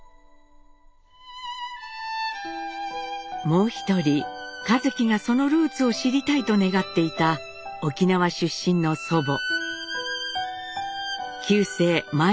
もう一人一輝がそのルーツを知りたいと願っていた沖縄出身の祖母。